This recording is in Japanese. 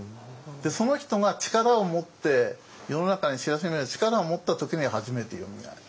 その人が力を持って世の中に知らしめる力を持った時に初めてよみがえる。